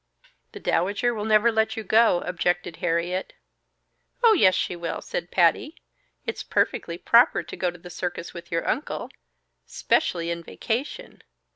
"The Dowager will never let you go," objected Harriet. "Oh, yes, she will!" said Patty. "It's perfectly proper to go to the circus with your uncle 'specially in vacation.